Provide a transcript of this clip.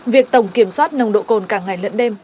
việc tổng kiểm soát nông độ cồn càng ngày lẫn đêm